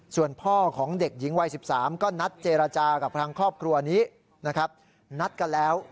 ส่วนพ่อของเด็กหญิงวัย๑๓ก็นัดเจรจากับทางครอบครัวนี้นะครับนัดกันแล้ว